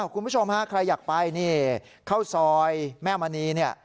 คุณผู้ชมฮะใครอยากไปนี่ข้าวซอยแม่มณีเนี่ย